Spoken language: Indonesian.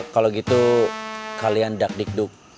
kalau gitu kalian dakdikduk